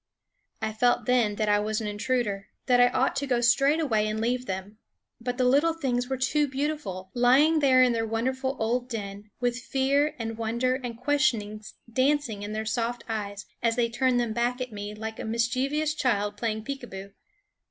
I felt then that I was an intruder; that I ought to go straight away and leave them; but the little things were too beautiful, lying there in their wonderful old den, with fear and wonder and questionings dancing in their soft eyes as they turned them back at me like a mischievous child playing peekaboo.